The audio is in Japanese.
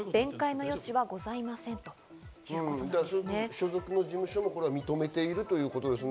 所属の事務所も認めているということですね。